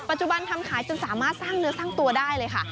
ทำขายจนสามารถสร้างเนื้อสร้างตัวได้เลยค่ะ